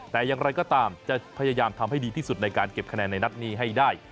แต่อย่างไรก็ตามจะพยายามทำให้ดีที่สุดในการเก็บคะแนนในนัดนี้ให้ได้